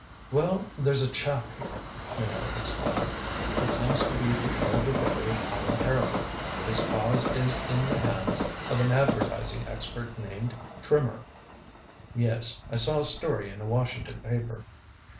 "Well, there's a chap here," Minot explained, "who claims to be the elder brother of Allan Harrowby. His cause is in the hands of an advertising expert named Trimmer." "Yes. I saw a story in a Washington paper."